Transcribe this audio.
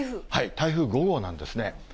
台風５号なんですね。